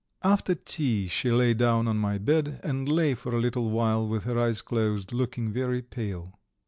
After tea she lay down on my bed, and lay for a little while with her eyes closed, looking very pale.